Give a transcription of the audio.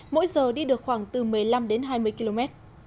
mỗi giờ đi được khoảng từ một mươi năm đến hai mươi km